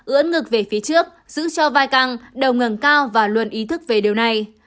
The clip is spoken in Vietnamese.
ứa ngực về phía trước giữ cho vai căng đầu ngừng cao và luôn ý thức về điều này